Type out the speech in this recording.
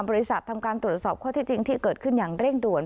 ทำการตรวจสอบข้อที่จริงที่เกิดขึ้นอย่างเร่งด่วน